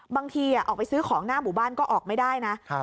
บางทีออกไปซื้อของหน้าหมู่บ้านก็ออกไม่ได้นะ